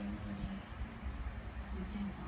อันนี้ก็ไม่มีเจ้าพ่อหรอก